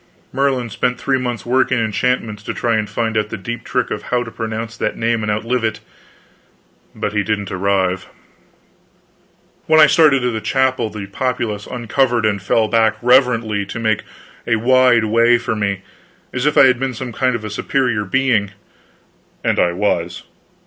Merlin spent three months working enchantments to try to find out the deep trick of how to pronounce that name and outlive it. But he didn't arrive. When I started to the chapel, the populace uncovered and fell back reverently to make a wide way for me, as if I had been some kind of a superior being and I was.